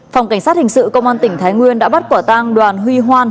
phòng cảnh sát hình sự công an tỉnh thái nguyên đã bắt quả tang đoàn huy hoan